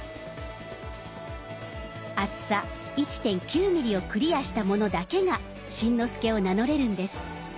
厚さ１．９ｍｍをクリアしたものだけが新之助を名乗れるんです。